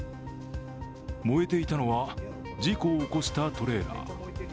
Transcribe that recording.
燃えていたのは、事故を起こしたトレーラー。